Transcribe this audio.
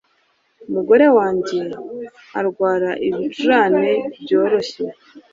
Umugore wanjye arwara ibicurane byoroshye